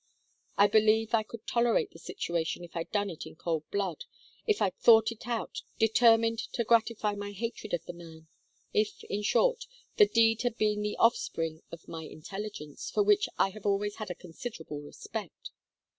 I believe I could tolerate the situation if I'd done it in cold blood, if I'd thought it out, determined to gratify my hatred of the man; if, in short, the deed had been the offspring of my intelligence, for which I have always had a considerable respect.